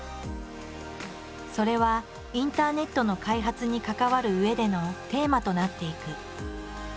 それはインターネットの開発に関わるうえでのテーマとなっていく。